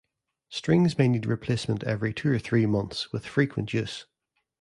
Strings may need replacement every two or three months with frequent use.